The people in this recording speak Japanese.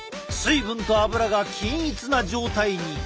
水分と油が均一な状態に。